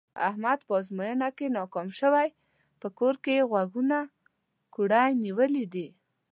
احمد په ازموینه کې ناکام شوی، په کور کې یې غوږونه کوړی نیولي دي.